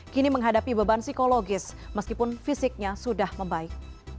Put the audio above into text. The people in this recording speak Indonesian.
kini menghadapi beban psikologis meskipun fisiknya sudah membaik